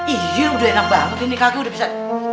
iya udah enak banget ini kaki udah bisa